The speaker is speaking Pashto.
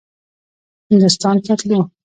هندوستان ته تلو.